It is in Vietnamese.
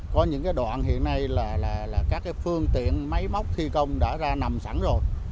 có những cái đoạn hiện nay là các phương tiện máy móc thi công đã ra nằm sẵn rồi